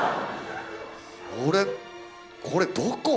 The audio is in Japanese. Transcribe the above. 俺これどこ？